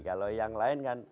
kalau yang lain